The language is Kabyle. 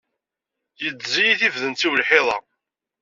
Yeddez-iyi tifdent-iw lḥiḍ-a.